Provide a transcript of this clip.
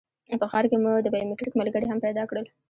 په ښار کې مو د بایومټریک ملګري هم پیدا کړل.